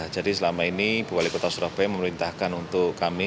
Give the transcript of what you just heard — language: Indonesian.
jadi selama ini bupati kota surabaya memerintahkan untuk kami